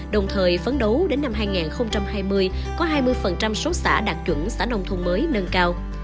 đồng thời phấn đấu đến năm hai nghìn hai mươi có hai mươi số xã đạt chuẩn xã nông thôn mới nâng cao